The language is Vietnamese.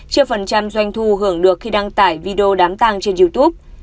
chia phần trăm doanh thu hưởng được khi đăng tải video đám tang trên youtube